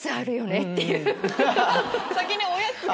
先におやつが。